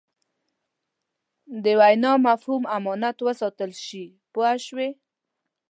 د وینا مفهوم امانت وساتل شي پوه شوې!.